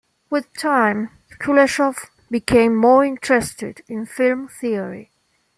With time Kuleshov became more interested in film theory.